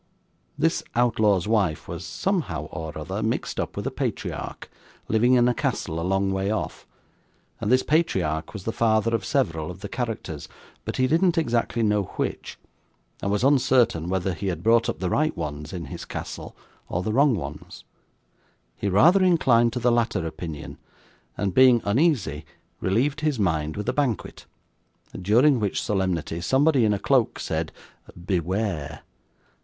This outlaw's wife was, somehow or other, mixed up with a patriarch, living in a castle a long way off, and this patriarch was the father of several of the characters, but he didn't exactly know which, and was uncertain whether he had brought up the right ones in his castle, or the wrong ones; he rather inclined to the latter opinion, and, being uneasy, relieved his mind with a banquet, during which solemnity somebody in a cloak said 'Beware!